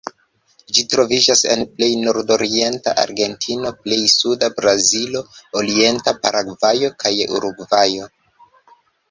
Ĝi troviĝas en plej nordorienta Argentino, plej suda Brazilo, orienta Paragvajo kaj Urugvajo.